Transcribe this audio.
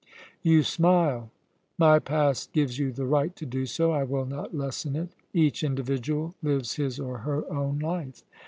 You smile. My past gives you the right to do so. I will not lessen it. Each individual lives his or her own life.